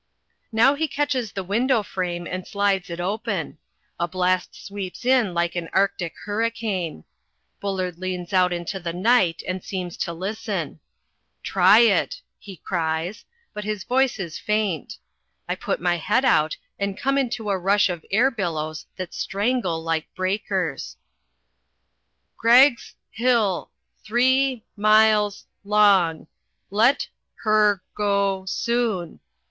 Now he catches the window frame and slides it open. A blast sweeps in like an arctic hurricane. Bullard leans out into the night and seems to listen. "Try it," he cries, but his voice is faint. I put my head out, and come into a rush of air billows that strangle like breakers. [Illustration: AT THE THROTTLE.] "Greggs Hill three miles long. Let her go soon."